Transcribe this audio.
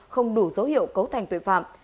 không đủ dấu hiệu cấu thành tội phạm